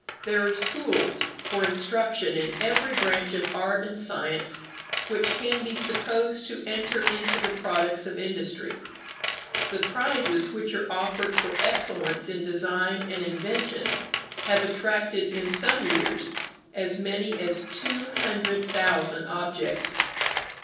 There are schools for instruction in every branch of art and science which can be supposed to enter into the products of industry. The prizes which are offered for excellence in design and invention have attracted, in some years, as many as two hundred thousand objects.